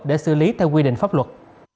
để xử lý theo quy định pháp luật